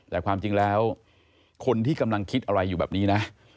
แต่ความจริงแล้วคนที่กำลังคิดอะไรอยู่แบบนี้นะ